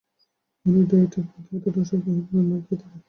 অনেকে ডায়েটের প্রতি এতটাই আসক্ত হয়ে পড়েন যে, না খেয়ে থাকেন।